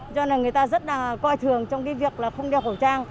cho nên người ta rất là coi thường trong cái việc là không đeo khẩu trang